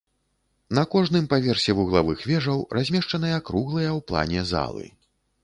На кожным паверсе вуглавых вежаў размешчаныя круглыя ў плане залы.